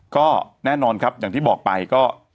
ก็แน่นอนครับอย่างที่บอกไปก็